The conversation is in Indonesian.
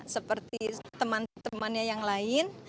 seperti teman temannya yang lain